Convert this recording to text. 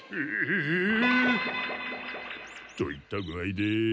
といったぐあいで。